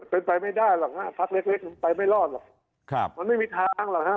เป็นไปไม่ได้หรอกฮะพักเล็กไปไม่รอดมันไม่มีทางหรอกฮะ